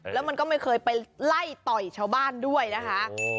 แล้วมันก็ไม่เคยไปไล่ต่อยชาวบ้านด้วยนะคะ